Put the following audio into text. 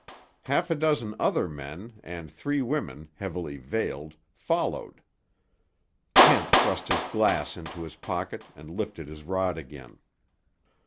Half a dozen other men, and three women, heavily veiled, followed. Kent thrust his glass into his pocket and lifted his rod again.